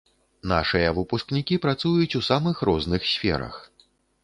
Нашыя выпускнікі працуюць у самых розных сферах.